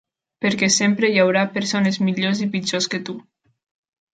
Perquè sempre hi haurà persones millors i pitjors que tu.